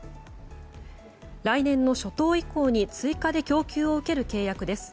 来年の初頭以降に追加で供給を受ける契約です。